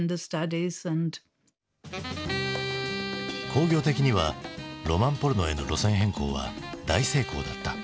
興行的にはロマンポルノへの路線変更は大成功だった。